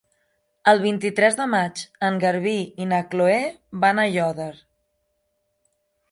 El vint-i-tres de maig en Garbí i na Chloé van a Aiòder.